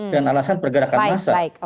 dengan alasan pergerakan massa